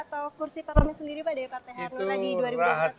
atau kursi pak tomes sendiri pak dari partai hanura di dua ribu empat belas